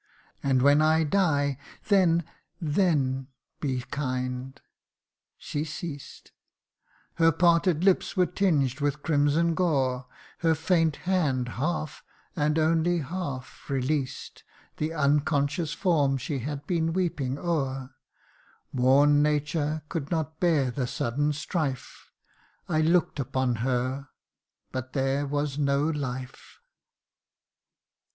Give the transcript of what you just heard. And when I die then, then be kind' She ceased : Her parted lips were tinged with crimson gore, Her faint hand half, and only half, released The unconscious form she had been weeping o'er : Worn nature could not bear the sudden strife ; I look'd upon her but there was no life